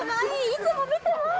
いつも見てます。